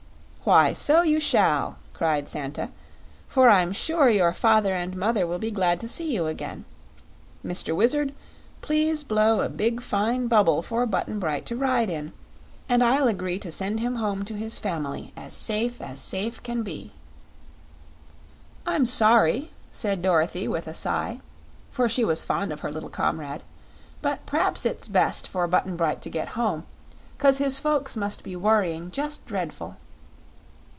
"Why, so you shall!" cried Santa; "for I'm sure your father and mother will be glad to see you again. Mr. Wizard, please blow a big, fine bubble for Button Bright to ride in, and I'll agree to send him home to his family as safe as safe can be." "I'm sorry," said Dorothy with a sigh, for she was fond of her little comrade; "but p'raps it's best for Button Bright to get home; 'cause his folks must be worrying just dreadful."